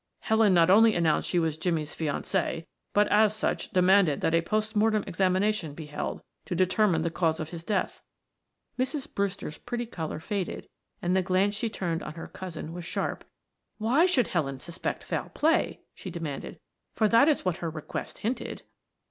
Helen not only announced she was Jimmie's fiancee but as such demanded that a post mortem examination be held to determine the cause of his death." Mrs. Brewster's pretty color faded and the glance she turned on her cousin was sharp. "Why should Helen suspect foul play?" she demanded. "For that is what her request hinted."